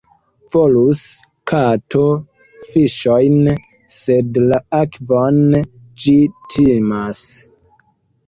Volus kato fiŝojn, sed la akvon ĝi timas.